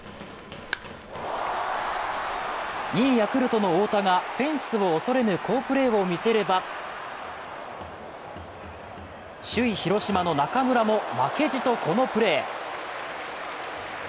２位・ヤクルトの太田がフェンスを恐れぬ好プレーを見せれば、首位・広島の中村も負けじとこのプレー。